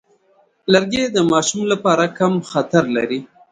لرګی د ماشوم لپاره کم خطر لري.